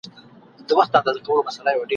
د هغه مغفور روح ته دعا کوم !.